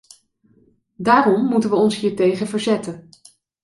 Daarom moeten wij ons hiertegen verzetten.